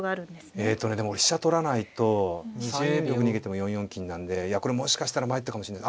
えとねでも飛車取らないと３四玉逃げても４四金なんでいやこれもしかしたらまいったかもしれない。